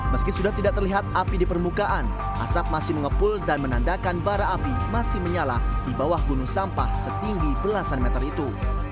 meski sudah tidak terlihat api di permukaan asap masih mengepul dan menandakan bara api masih menyala di bawah gunung sampah setinggi belasan meter itu